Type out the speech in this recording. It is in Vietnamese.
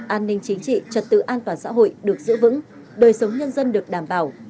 an ninh chính trị trật tự an toàn xã hội được giữ vững đời sống nhân dân được đảm bảo